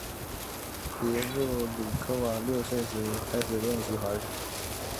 别洛鲁科娃六岁时开始练习滑雪。